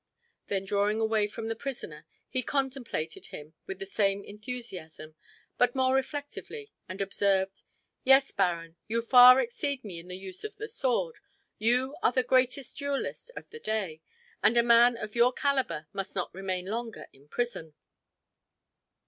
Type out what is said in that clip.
Then, drawing away from the prisoner, he contemplated him with the same enthusiasm, but more reflectively, and observed: "Yes, baron, you far exceed me in the use of the sword; you are the greatest duelist of the day, and a man of your caliber must not remain longer in prison."